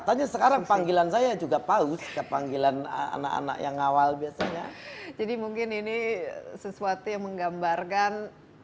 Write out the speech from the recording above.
tanya sekarang panggilan saya juga paus ke panggilan anak anak yang awal biasanya jadi mungkin ini sesuatu yang menggambarkan